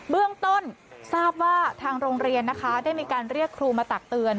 เบื้องต้นทราบว่าทางโรงเรียนนะคะได้มีการเรียกครูมาตักเตือน